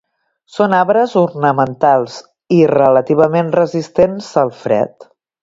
Són arbres ornamentals i relativament resistents al fred.